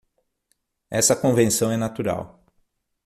Essa convenção é natural.